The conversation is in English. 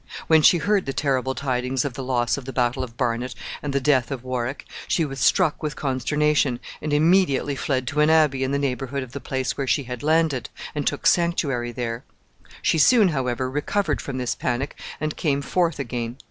When she heard the terrible tidings of the loss of the battle of Barnet and the death of Warwick, she was struck with consternation, and immediately fled to an abbey in the neighborhood of the place where she had landed, and took sanctuary there. She soon, however, recovered from this panic, and came forth again.